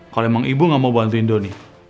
kalau emang ibu gak mau bantuin doni